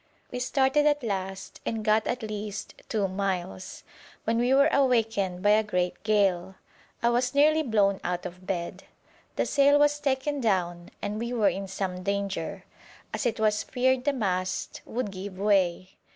We started at last, and got at least two miles, when we were awakened by a great gale. I was nearly blown out of bed. The sail was taken down, and we were in some danger, as it was feared the mast would give way.